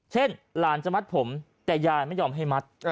เช่นหลานจะมัดผมแต่ยายไม่ยอมให้มัด